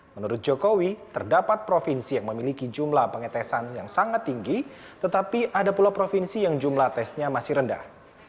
menurut jokowi terdapat provinsi yang memiliki jumlah pengetesan yang sangat tinggi tetapi ada pula provinsi yang jumlah tesnya masih rendah